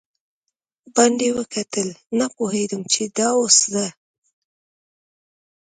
باندې وکتل، نه پوهېدم چې دا اوس زه.